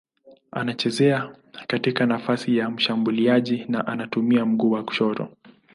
Anacheza katika nafasi ya mshambuliaji na anatumia mguu wa kushoto.